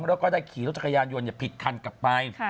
แล้วก็ได้ขี่รถจักรยานยนต์ผิดคันกลับไป